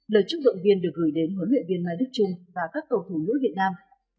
lời chúc động viên được gửi đến huấn luyện viên mai đức trung và các cầu thủ nữ việt nam